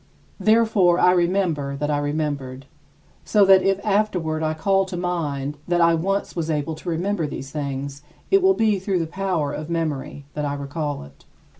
Therefore, I remember that I remembered, so that if afterward I call to mind that I once was able to remember these things it will be through the power of memory that I recall it.